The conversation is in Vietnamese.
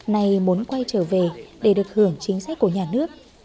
này muốn quay trở về để được hưởng chính sách của nhà nước